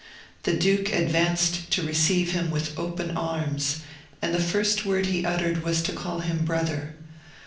The duke advanced to receive him with open arms, and the first word he uttered was to call him brother.